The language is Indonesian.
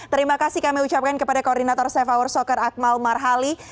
terima kasih kami ucapkan kepada koordinator safe hour soccer akmal marhali